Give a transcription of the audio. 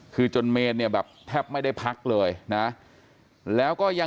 คือจนเมษนี่แทบไม่ได้พักเลย